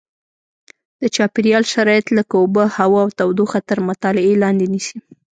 د چاپېریال شرایط لکه اوبه هوا او تودوخه تر مطالعې لاندې نیسي.